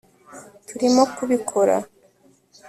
Turimo kubikora